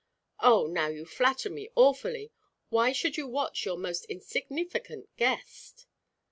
"Oh, now you flatter me awfully. Why should you watch your most insignificant guest?"